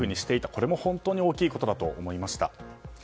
これも本当に大きいと思いました。